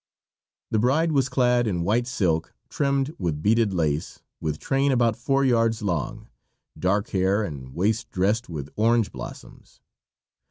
The bride was clad in white silk, trimmed with beaded lace, with train about four yards long, dark hair and waist dressed with orange blossoms.